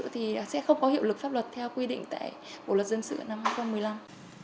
thì sẽ không có hiệu lực pháp luật theo quy định tại bộ luật dân sự năm hai nghìn một mươi năm